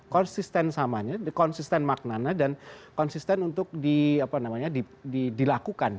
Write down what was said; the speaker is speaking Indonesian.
konsisten samanya konsisten maknanya dan konsisten untuk di apa namanya dilakukan